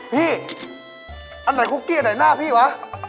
อันไหนคุกกี้อันไหนหน้าพี่วะ